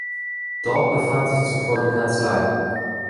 Dort befand sich zuvor die Kanzlei.